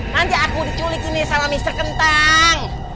nanti aku diculik ini sama mister kentang